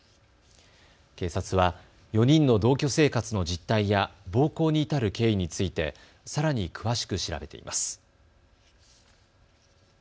警察は４人の同居生活の実態や暴行に至る経緯についてさらに詳しく調べています。